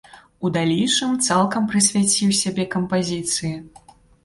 У далейшым цалкам прысвяціў сябе кампазіцыі.